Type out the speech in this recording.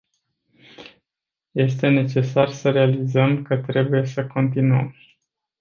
Este necesar să realizăm că trebuie să continuăm.